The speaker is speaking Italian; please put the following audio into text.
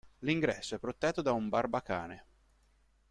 L'ingresso è protetto da un barbacane.